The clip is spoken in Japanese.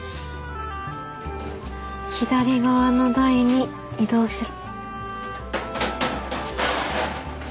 左側の台に移動する。